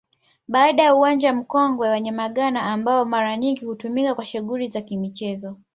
Baada ya Uwanja Mkongwe wa Nyamagana ambao mara nyingi hutumika kwa shughuli za Kimichezo